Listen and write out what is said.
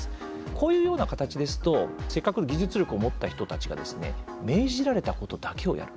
こういうような形ですとせっかく技術力を持った人たちが命じられたことだけをやる。